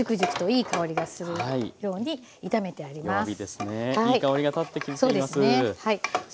いい香りが立ってきています。